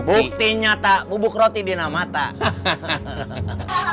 buktinya tak bubuk roti di nama tak